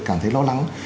cảm thấy lo lắng